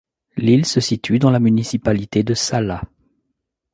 L'île se situe dans la municipalité de Salla.